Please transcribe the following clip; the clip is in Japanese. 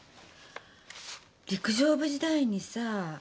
陸上部時代にさ。